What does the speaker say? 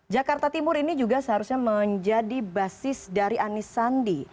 jakarta timur ini juga seharusnya menjadi basis dari anisandi